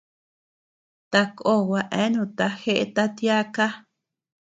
Takó gua eanuta jeʼeta tiaka.